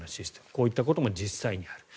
こういったことも実際にある。